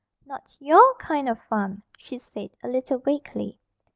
'Not your kind of fun,' she said, a little vaguely.